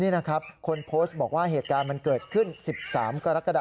นี่นะครับคนโพสต์บอกว่าเหตุการณ์มันเกิดขึ้น๑๓กรกฎา